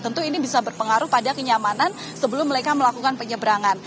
tentu ini bisa berpengaruh pada kenyamanan sebelum mereka melakukan penyeberangan